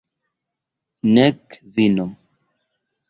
Nek vino.